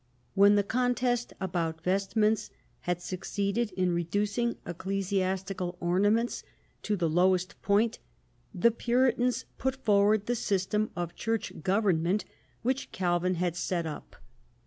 When the contest about vestments had succeeded in reducing ecclesiastical ornaments to the lowest point, the Puritans put forward the system of Church government which Calvin had set up.